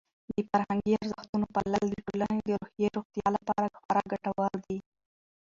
د فرهنګي ارزښتونو پالل د ټولنې د روحي روغتیا لپاره خورا ګټور دي.